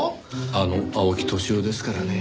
あの青木年男ですからね。